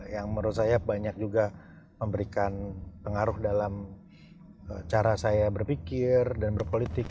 yang menurut saya banyak juga memberikan pengaruh dalam cara saya berpikir dan berpolitik